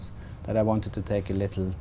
chúng tôi bắt đầu